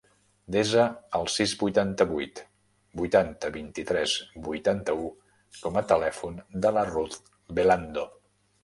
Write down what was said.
Desa el sis, vuitanta-vuit, vuitanta, vint-i-tres, vuitanta-u com a telèfon de la Ruth Belando.